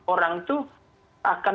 orang itu akan